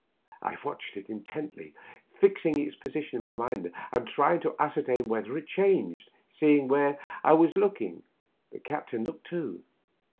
I watched it intently, fixing its position in my mind, and trying to ascertain whether it changed. Seeing where I was looking, the captain looked too.